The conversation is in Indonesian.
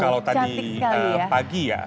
kalau tadi pagi ya